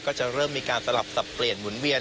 ก็จะเริ่มมีการสลับสับเปลี่ยนหมุนเวียน